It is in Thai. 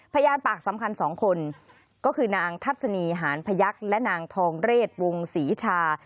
พยานปากสำคัญ๒คนก็คือนางทัศนีหานพยักษ์และนางทองเรศวงศรีชา